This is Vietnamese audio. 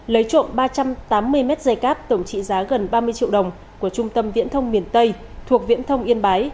lấy trộm ba trăm tám mươi mét dây cáp tổng trị giá gần ba mươi triệu đồng của trung tâm viễn thông miền tây thuộc viễn thông yên bái